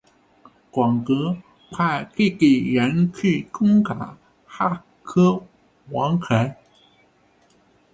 广德派弟弟仁去攻打莎车王贤。